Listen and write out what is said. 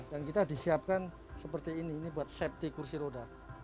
dan kita disiapkan seperti ini ini buat safety kursi roda